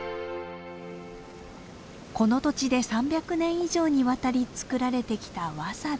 この土地で３００年以上にわたり作られてきたワサビ。